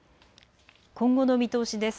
今後の見通しです。